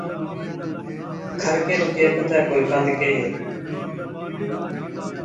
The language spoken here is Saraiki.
تاݨی وچ گݙانہہ پئے ڳئے